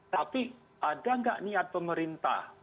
tapi ada nggak niat pemerintah